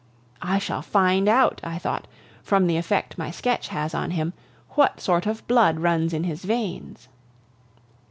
"I shall find out," I thought, from the effect my sketch has on him, "what sort of blood runs in his veins."